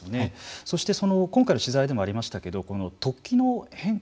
そして、その今回の取材でもありましたけれども突起の変化